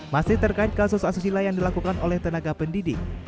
masih terkait kasus asusila yang dilakukan oleh tenaga pendidik